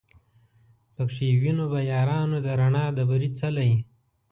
پکښی وینو به یارانو د رڼا د بري څلی